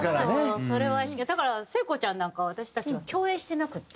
だから聖子ちゃんなんか私たちは共演してなくて。